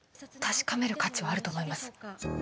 確かめる価値はあると思います。